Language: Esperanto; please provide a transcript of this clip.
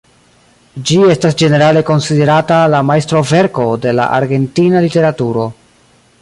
Ĝi estas ĝenerale konsiderata la majstroverko de la argentina literaturo.